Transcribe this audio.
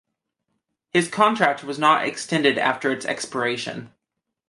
His contract was not extended after its expiration.